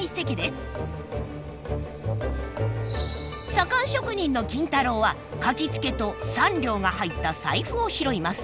左官職人の金太郎は書き付けと三両が入った財布を拾います。